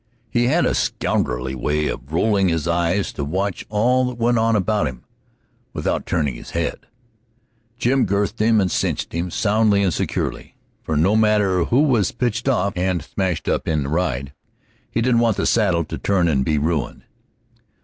He had a scoundrelly way of rolling his eyes to watch all that went on about him without turning his head. Jim girthed him and cinched him, soundly and securely, for no matter who was pitched off and smashed up in that ride, he didn't want the saddle to turn and be ruined.